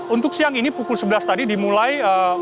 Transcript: untuk siang ini pukul sebelas tadi dimulai